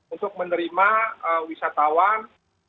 untuk menerima wisatawan